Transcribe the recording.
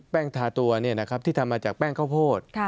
แป้งทาตัวนะครับที่ทำมาจากแป้งข้าวโพด